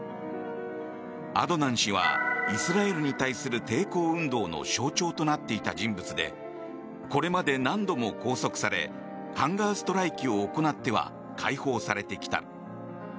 アドナン氏はイスラエルに対する抵抗運動の象徴となっていた人物でこれまで何度も拘束されハンガーストライキを行っては解放されてきた。